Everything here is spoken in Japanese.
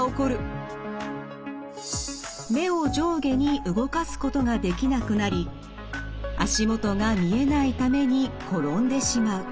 目を上下に動かすことができなくなり足元が見えないために転んでしまう。